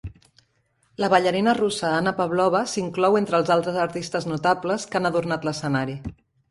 La ballarina russa Anna Pavlova s'inclou entre els altres artistes notables que han adornat l'escenari.